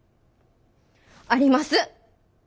あります。